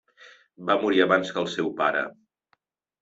Va morir abans que el seu pare.